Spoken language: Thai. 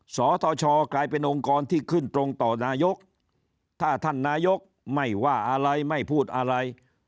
สทชกลายเป็นองค์กรที่ขึ้นตรงต่อนายกถ้าท่านนายกไม่ว่าอะไรไม่พูดอะไร